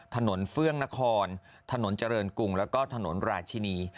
เฟื่องนครถนนเจริญกรุงแล้วก็ถนนราชินี